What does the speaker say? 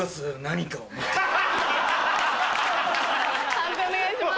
判定お願いします。